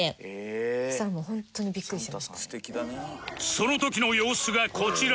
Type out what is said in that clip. その時の様子がこちら